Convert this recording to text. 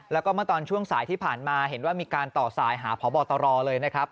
แล้วก็เมื่อตอนช่วงสายที่ผ่านมาเห็นว่ามีการต่อสายหาพบตรเลยนะครับ